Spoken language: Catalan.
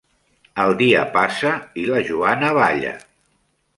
El dia passa i la Joana balla.